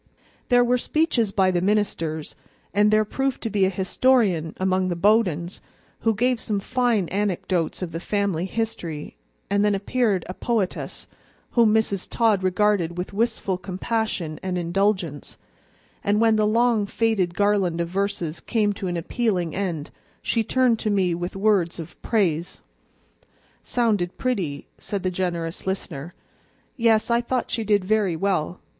There were speeches by the ministers; and there proved to be a historian among the Bowdens, who gave some fine anecdotes of the family history; and then appeared a poetess, whom Mrs. Todd regarded with wistful compassion and indulgence, and when the long faded garland of verses came to an appealing end, she turned to me with words of praise. "Sounded pretty," said the generous listener. "Yes, I thought she did very well.